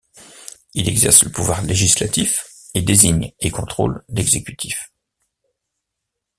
Il exerce le pouvoir législatif, et désigne et contrôle l'exécutif.